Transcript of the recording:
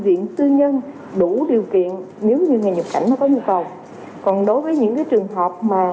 viện tư nhân đủ điều kiện nếu như người nhập cảnh mà có nhu cầu còn đối với những cái trường hợp mà